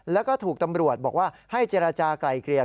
และก็ถูกตำรวจบอกว่าให้เจรจาไกลเกลียร์